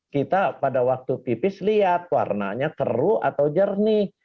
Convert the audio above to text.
kita pada waktu pipis lihat warnanya keruh atau jernih